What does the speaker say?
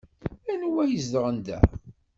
Anwa i izedɣen da?